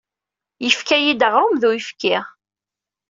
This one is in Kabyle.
Yefka-iyi-d aɣrum d uyefki.